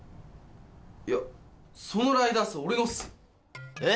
いやそのライダース俺のっすえっ！？